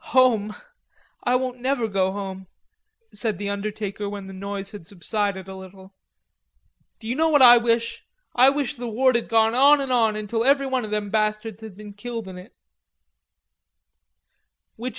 "Home.... I won't never go home," said the undertaker when the noise had subsided a little. "D'you know what I wish? I wish the war'd gone on and on until everyone of them bastards had been killed in it."